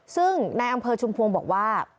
ซึ่งในอำเภอชุมพวงบอกว่า